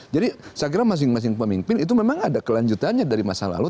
jadi saya kira masing masing pemimpin itu memang ada kelanjutannya dari masa lalu